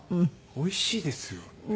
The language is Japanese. おいしいですよね。